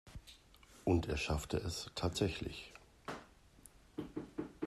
Und er schaffte es tatsächlich.